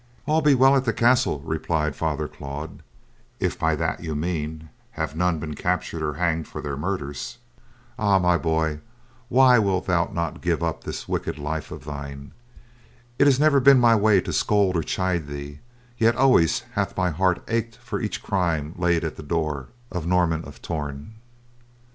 "All be well at the castle," replied Father Claude, "if by that you mean have none been captured or hanged for their murders. Ah, my boy, why wilt thou not give up this wicked life of thine? It has never been my way to scold or chide thee, yet always has my heart ached for each crime laid at the door of Norman of Torn."